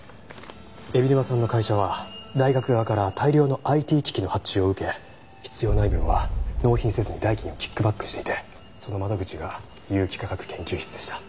海老沼さんの会社は大学側から大量のＩＴ機器の発注を受け必要ない分は納品せずに代金をキックバックしていてその窓口が有機化学研究室でした。